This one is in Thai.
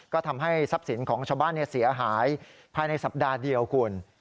ก็ทำให้ทรัพย์สินของชาวบ้านเสียหายภายในสัปดาห์เดียวคุณ